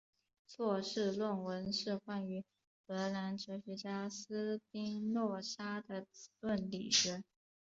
硕士论文是关于荷兰哲学家斯宾诺莎的伦理学。